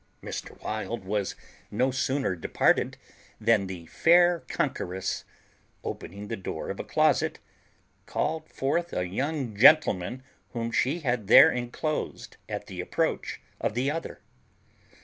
Mr. Wild was no sooner departed than the fair conqueress, opening the door of a closet, called forth a young gentleman whom she had there enclosed at the approach of the other.